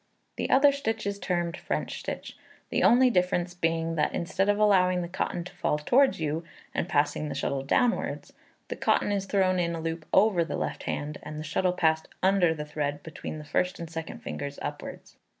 The other stitch is termed French stitch; the only difference being, that instead of allowing the cotton to fall towards you, and passing the shuttle downwards, the cotton is thrown in a loop over the left hand, and the shuttle passed under the thread between the first and second fingers upwards.